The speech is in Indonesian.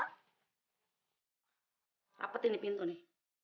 tapetin di pintu nih